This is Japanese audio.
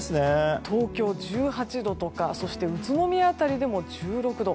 東京、１８度とかそして宇都宮辺りでも１６度。